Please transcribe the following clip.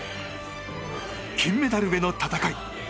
金メダルへの戦い。